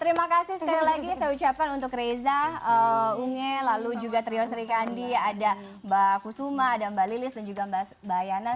terima kasih sekali lagi saya ucapkan untuk reza unge lalu juga trio sri kandi ada mbak kusuma ada mbak lilis dan juga mbak yana